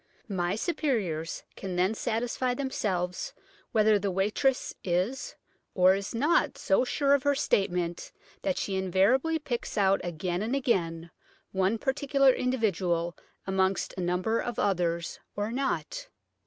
"My superiors can then satisfy themselves whether the waitress is or is not so sure of her statement that she invariably picks out again and again one particular individual amongst a number of others or not."